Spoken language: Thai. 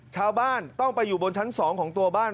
ชาวบ้านต้องไปอยู่บนชั้น๒ของตัวบ้าน